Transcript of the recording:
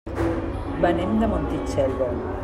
Venim de Montitxelvo.